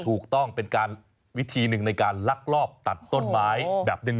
ถูกต้องเป็นการวิธีหนึ่งในการลักลอบตัดต้นไม้แบบหนึ่ง